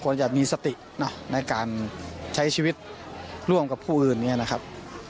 จะมีสตินะในการใช้ชีวิตร่วมกับผู้อื่นเนี่ยนะครับ